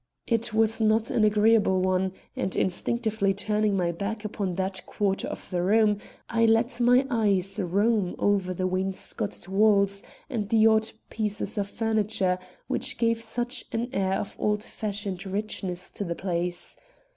It was not an agreeable one, and, instinctively turning my back upon that quarter of the room, I let my eyes roam over the wainscoted walls and the odd pieces of furniture which gave such an air of old fashioned richness to the place.